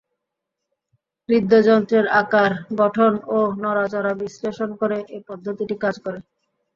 হৃদ্যন্ত্রের আকার, গঠন ও নড়াচড়া বিশ্লেষণ করে এ পদ্ধতিটি কাজ করে।